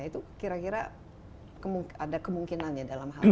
itu kira kira ada kemungkinannya